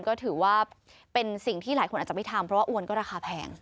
ก็ถือว่าเป็นสิ่งที่หลายคนอาจจะไม่ทำเพราะว่าอวนก็ราคาแพง